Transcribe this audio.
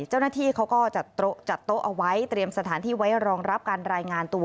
เจ้าหน้าที่เขาก็จัดโต๊ะจัดโต๊ะเอาไว้เตรียมสถานที่ไว้รองรับการรายงานตัว